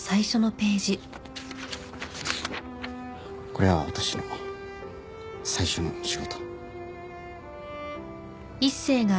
これは私の最初の仕事。